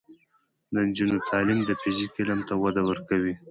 د نجونو تعلیم د فزیک علم ته وده ورکوي.